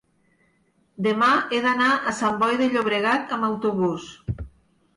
demà he d'anar a Sant Boi de Llobregat amb autobús.